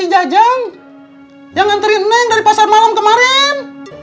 jangan teriak neng dari pasar malam kemarin